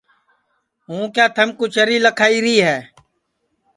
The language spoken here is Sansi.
ہوں کیا تھمکُو چری لکھائی ری ہے